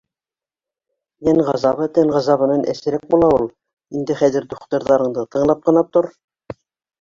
Йән ғазабы тән ғазабынан әсерәк була ул. Инде хәҙер духтырҙарыңды тыңлап ҡына тор.